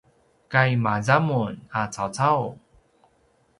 kaimazan mun a caucau?